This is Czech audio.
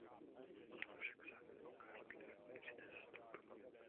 Sala však za Cardiff nikdy nenastoupil.